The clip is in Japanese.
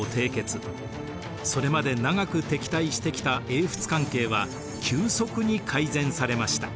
それまで長く敵対してきた英仏関係は急速に改善されました。